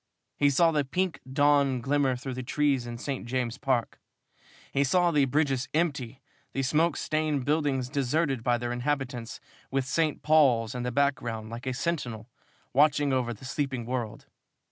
He saw the pink dawn glimmer through the trees in St. James's Park. He saw the bridges empty, the smoke stained buildings deserted by their inhabitants, with St. Paul's in the background like a sentinel watching over the sleeping world.